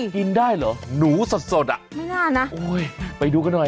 กินได้เหรอหนูสดน่ะโอ้ยไปดูกันหน่อยฮะ